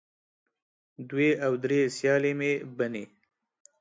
دوې او درې سیالې مې بنې